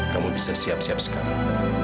kamu bisa siap siap sekarang